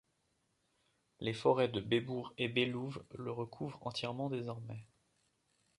Les forêts de Bébour et Bélouve le recouvrent entièrement désormais.